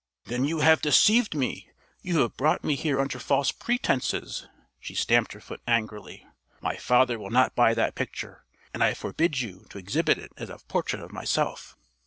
"Then you have deceived me! You have brought me here under false pretences!" She stamped her foot angrily. "My father will not buy that picture, and I forbid you to exhibit it as a portrait of myself."